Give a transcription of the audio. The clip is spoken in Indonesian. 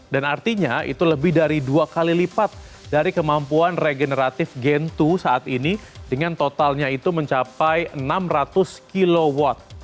dan artinya itu lebih dari dua kali lipat dari kemampuan regeneratif gentry saat ini dengan totalnya itu mencapai enam ratus kw